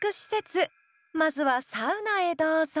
まずはサウナへどうぞ。